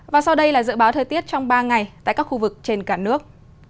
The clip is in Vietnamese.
và sau đây là dự báo thời tiết trong ba ngày tại các khu vực trên cả nước